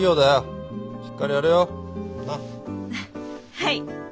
はい。